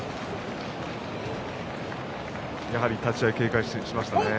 やはり立ち合い警戒しましたね。